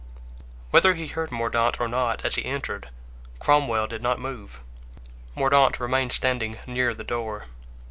Whether he heard Mordaunt or not as he entered, Cromwell did not move. Mordaunt remained standing near the door.